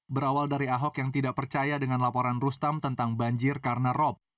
berawal dari ahok yang tidak percaya dengan laporan rustam tentang banjir karena rop